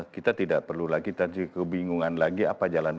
kita tidak perlu lagi terjadi kebingungan lagi apa jalan keluarnya